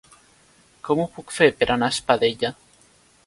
Com ho puc fer per anar a Espadella?